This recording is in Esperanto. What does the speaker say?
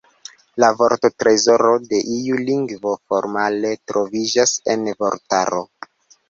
La vorttrezoro de iu lingvo – formale – troviĝas en vortaro.